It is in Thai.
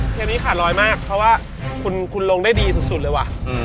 เพลงนี้ขาดรอยมากเพราะว่าคุณลงได้ดีสุดเลยว่ะ